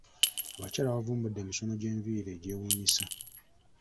Abakyala bavumbudde emisono gy’enviri egyewuunyisa.